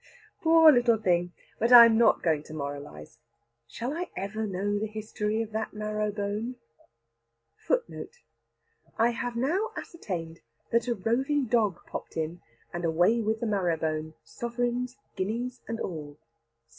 Ah, poor little thing! But I am not going to moralise. Shall I ever know the history of that marrow bone?[#] [#] I have now ascertained that a roving dog popped in and away with the marrow bone, sovereigns, guineas, and all.